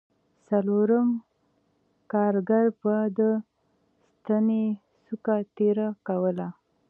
څلورم کارګر به د ستنې څوکه تېره کوله